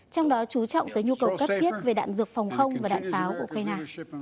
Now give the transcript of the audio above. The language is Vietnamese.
trong đó chú trọng tới nhu cầu cấp thiết về đạn dược phòng không và đạn pháo của ukraine